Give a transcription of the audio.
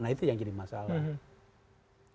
itu yang jadi masalah